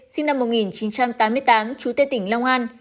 sinh năm một nghìn chín trăm tám mươi tám chủ tế tỉnh long an